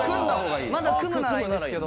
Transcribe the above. まだ組むならいいんですけど。